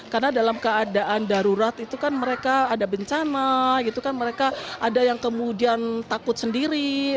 karena dalam keadaan darurat itu kan mereka ada bencana itu kan mereka ada yang kemudian takut sendiri